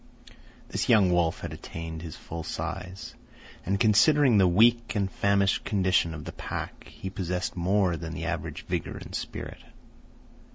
This young wolf had attained his full size; and, considering the weak and famished condition of the pack, he possessed more than the average vigour and spirit.